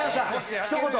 ひと言。